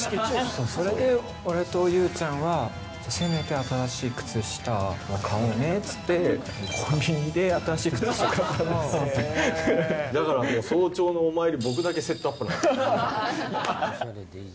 それで俺と優ちゃんは、せめて新しい靴下を買おうねっつって、コンビニで新しい靴下買っだからもう早朝のお参り、僕だけセットアップなんですよ。